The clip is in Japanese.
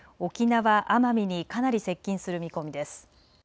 あすにかけて沖縄・奄美にかなり接近する見込みです。